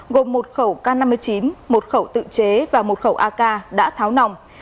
gồm một khẩu k năm mươi chín một khẩu tự chế và một khẩu ak đã tháo nòng